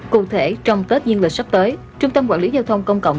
cụ thể trong tết duyên lịch sắp tới trung tâm quản lý giao thông công cộng